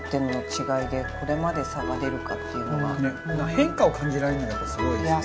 変化を感じられるのがすごいですね。